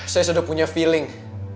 saya sudah punya feeling